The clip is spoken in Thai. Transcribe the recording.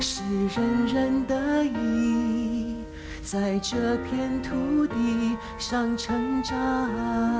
สิรินรินตะอีใส่เจอเพียงทุธิสังเชิงจัง